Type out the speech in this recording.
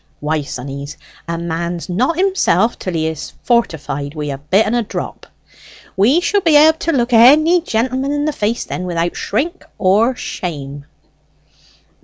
Why, sonnies, a man's not himself till he is fortified wi' a bit and a drop? We shall be able to look any gentleman in the face then without shrink or shame."